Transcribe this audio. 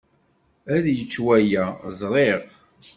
Ad yečč waya. Ẓriɣ.